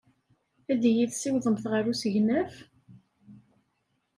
Ad iyi-tessiwḍemt ɣer usegnaf?